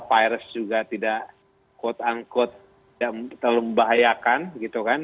virus juga tidak quote unquote tidak terlalu membahayakan gitu kan